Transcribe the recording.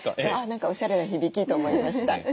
あ何かおしゃれな響きと思いました。